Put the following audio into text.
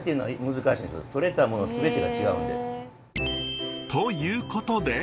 とれたもの全てが違うんで。ということで！